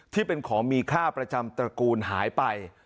ที่เป็นของมีค่าประจำตระกูลหายไป